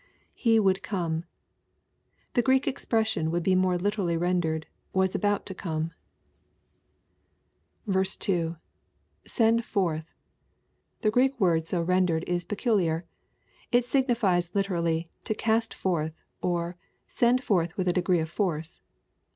[He woidd come.] The Greek expression would be more lit«* rally rendered, " was about to come. 350 EXPOSITOBY THOUGHTS. 2 '~ {8md forth.] The Q reek word so rendered is peculiar. It ai^ nines literally " to cast forth/' or " send forth with a degree of force."